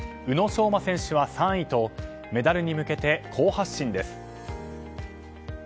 宇野昌磨選手は３位とメダルに向けて好発進です。